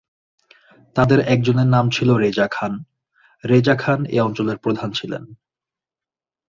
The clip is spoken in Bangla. তাদের একজনের নাম ছিল রেজা খান, রেজা খান এ অঞ্চলের প্রধান ছিলেন।